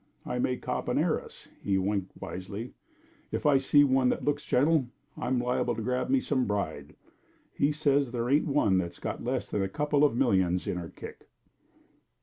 I may cop an heiress." He winked wisely. "If I see one that looks gentle, I'm liable to grab me some bride. He says there ain't one that's got less than a couple of millions in her kick."